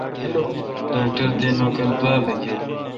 ڈاکٹر تے نوکر دوابہ گئے۔